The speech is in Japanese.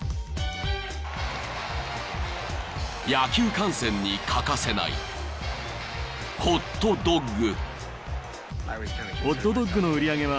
［野球観戦に欠かせないホットドッグ］